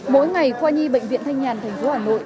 mỗi ngày khoa nhi bệnh viện thanh nhàn tp hà nội